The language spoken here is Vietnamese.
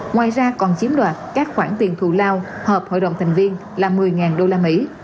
ngoài ra còn chiếm đoạt các khoản tiền thù lao hợp hội đồng thành viên là một mươi đô la mỹ